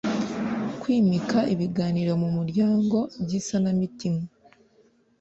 Kwimika ibiganiro mu muryango by’isanamitima